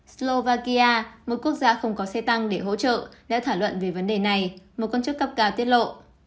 slovakia một quốc gia không có xe tăng để hỗ trợ đã thảo luận về vấn đề này một quan chức cấp cao tiết lộ